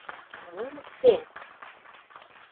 Мом ыштем?!